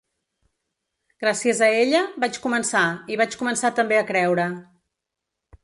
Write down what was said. Gràcies a ella vaig començar i vaig començar també a creure.